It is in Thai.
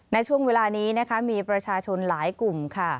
ในช่วงเวลานี้นะคะมีประชาชนหลายกลุ่มค่ะ